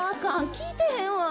きいてへんわ。